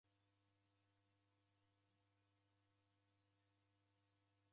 Chofi yadaghalisa w'andu.